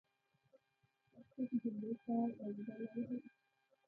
پۀ پښتو کې جملې ته غونډله وایي.